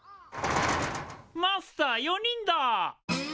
マスター４人だ。